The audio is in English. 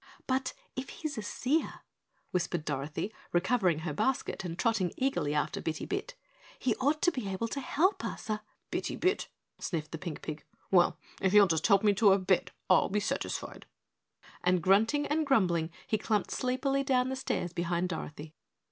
"But if he's a seer," whispered Dorothy, recovering her basket and trotting eagerly after Bitty Bit, "he ought to be able to help us a " "Bitty Bit," sniffed the pink pig. "Well, if he'll just help me to a bed, I'll be satisfied!" and grunting and grumbling, he clumped sleepily down the stairs behind Dorothy.